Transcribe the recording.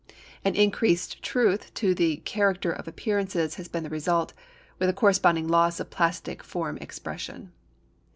An increased truth to the character of appearances has been the result, with a corresponding loss of plastic form expression.